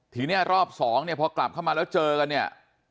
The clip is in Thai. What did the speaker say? ทีนี้รอบสองเนี่ยพอกลับเข้ามาแล้วเจอกันเนี่ย